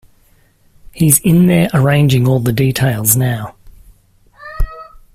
He's in there arranging all the details now.